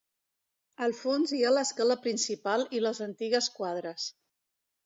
Al fons hi ha l'escala principal i les antigues quadres.